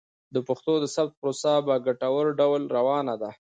د پښتو د ثبت پروسه په ګټور ډول روانه ده.